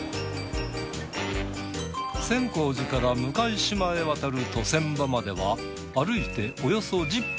千光寺から向島へ渡る渡船場までは歩いておよそ１０分。